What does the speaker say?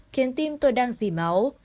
khiến tim tôi đang dì máu